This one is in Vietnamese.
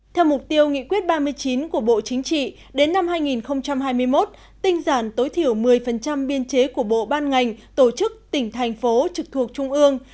theo mục tiêu nghị quyết ba mươi chín của bộ chính trị đến năm hai nghìn hai mươi một tinh giản tối thiểu một mươi biên chế của bộ ban ngành tổ chức tỉnh thành phố trực thuộc trung ương